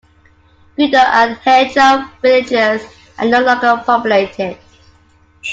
Guodu and Hejiao villages are no longer populated.